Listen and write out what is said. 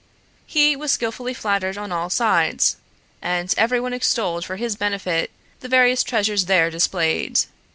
He was skillfully flattered on all sides, and everyone extolled for his benefit the various treasures there displayed.